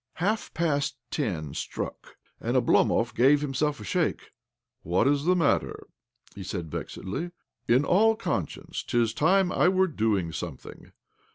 Half past ten struck, and O'blomov gave himself a shake. "What is the matter?" he said vexedly. " In all conscience 'tis time that I were doing something